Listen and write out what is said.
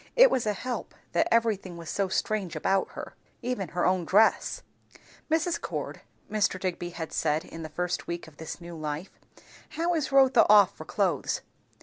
It was a help, that everything was so strange about her. Even her own dress. "Mrs. Cord," Mr. Digby had said in the first week of this new life, "how is Rotha off for clothes?"